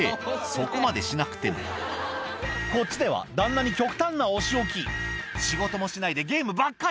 そこまでしなくてもこっちでは旦那に極端なお仕置き「仕事もしないでゲームばっかり」